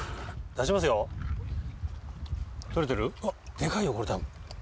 でかいよこれ多分。